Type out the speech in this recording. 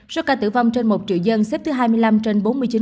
số ca tử vong trên một triệu dân xếp thứ hai mươi năm trên bốn mươi chín